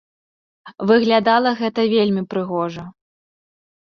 Выглядала гэта вельмі прыгожа.